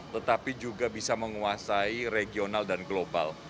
tetapi juga bisa menguasai regional dan global